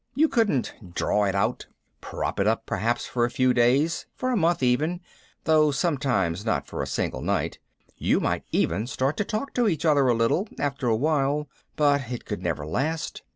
You could draw it out, prop it up perhaps for a few days, for a month even (though sometimes not for a single night) you might even start to talk to each other a little, after a while but it could never last.